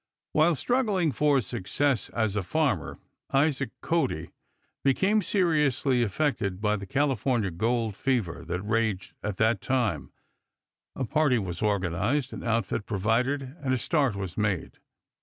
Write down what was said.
While struggling for success as a farmer Isaac Cody became seriously affected by the California gold fever that raged at that time; a party was organized, an outfit provided, and a start was made.